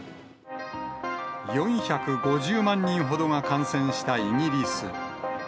４５０万人ほどが感染したイギリス。